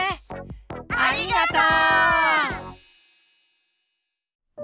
ありがとう！